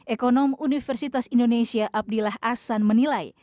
ekonom universitas indonesia abdillah ahsan menilai